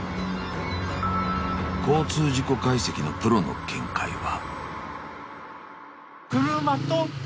［交通事故解析のプロの見解は］